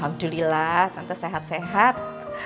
alhamdulillah tante sehat sehat